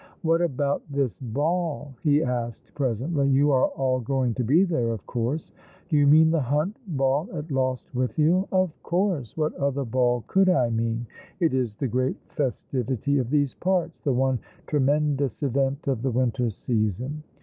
^' What about this ball ?" he asked presently. "You are all going to be there, of course ?"'' Do you mean the hunt ball at Lostwithiel ?" "Of course! What other ball could I mean? It is the great festivity of these parts. The one tremendous eveat of the winter season.